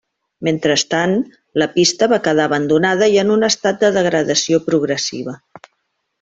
Mentrestant, la pista va quedar abandonada i en un estat de degradació progressiva.